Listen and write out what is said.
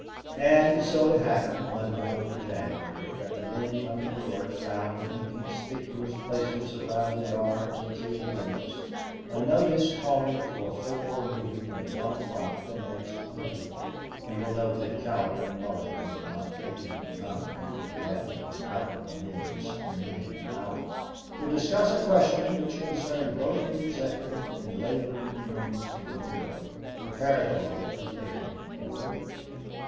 And so it happened, one morning in January, that the men coming to work found in conspicuous places around the yards and through the mills, a notice calling for a floor meeting at one o'clock the next day (you will note that Cowder and Mulligan were not taking the time for the gathering out of the men's noon hour), to discuss a question which concerned both the executive and laboring ends of the mill, preparatory to taking a vote.